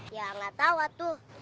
ya gak tau tuh